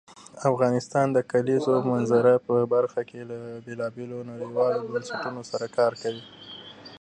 افغانستان د کلیزو منظره په برخه کې له بېلابېلو نړیوالو بنسټونو سره کار کوي.